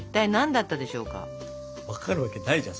分かるわけないじゃん